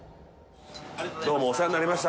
どうもお世話になりました。